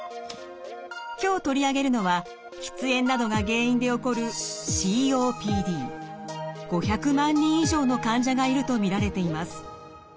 今日取り上げるのは喫煙などが原因で起こる５００万人以上の患者がいると見られています。